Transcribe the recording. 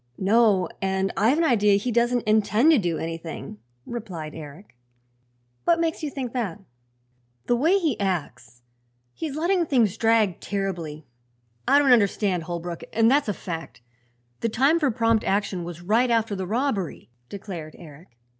"No; and I've an idea he doesn't intend to do anything," replied Eric. "What makes you think that?" "The way he acts. He's letting things drag terribly. I don't understand Holbrook, and that's a fact. The time for prompt action was right after the robbery," declared Eric.